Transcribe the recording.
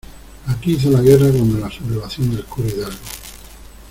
aquí hizo la guerra cuando la sublevación del cura Hidalgo.